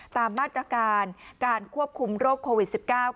ตามมาตรการการควบคุมโรคโควิด๑๙